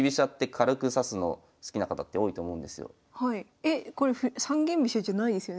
えっこれ三間飛車じゃないですよね？